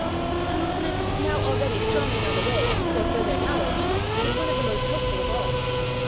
The movement, now already strongly on the way, for further knowledge is one of the most hopeful of all.